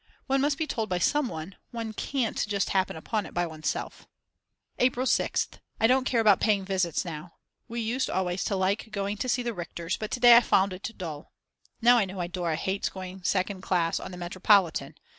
One must be told by some one, one can't just happen upon it by oneself. April 6th. I don't care about paying visits now. We used always to like going to see the Richters, but to day I found it dull. Now I know why Dora hates going second class on the Metropolitan.